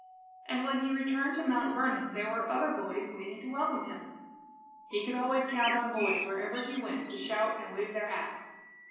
And when he returned to Mount Vernon, there were other boys waiting to welcome him. He could always count on boys, wherever he went, to shout and wave their hats.